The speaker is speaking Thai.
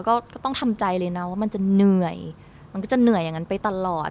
ก็ต้องทำใจเลยนะว่ามันจะเหนื่อยมันก็จะเหนื่อยอย่างนั้นไปตลอด